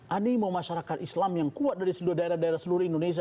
animo masyarakat islam yang kuat dari seluruh daerah daerah seluruh indonesia